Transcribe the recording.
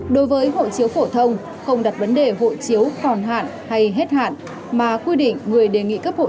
đối với hộ chiếu phổ thông không đặt vấn đề hộ chiếu còn hạn hay hết hạn